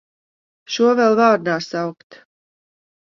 Šo vēl vārdā saukt!